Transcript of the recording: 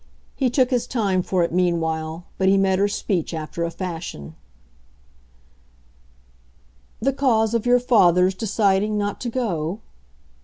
He took his time for it meanwhile, but he met her speech after a fashion. "The cause of your father's deciding not to go?"